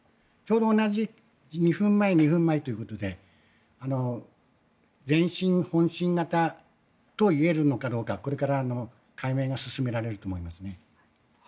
ちょうど同じ２分前、２分前ということで前震、本震型といえるのかどうかこれから解明が進められると思いますね。